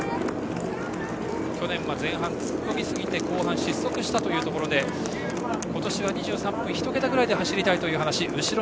去年は前半突っ込みすぎて後半、失速したというところで今年は２３分１桁ぐらいで走りたいというところ。